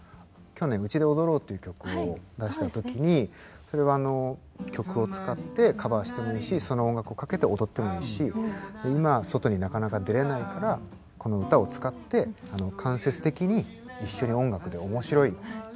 去年「うちで踊ろう」っていう曲を出した時にそれは曲を使ってカバーしてもいいしその音楽をかけて踊ってもいいし今外になかなか出れないからこの歌を使って間接的に一緒に音楽でおもしろい体験をしよう。